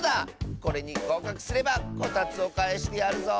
これにごうかくすればこたつをかえしてやるぞ！